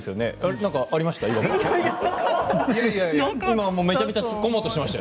何かありました？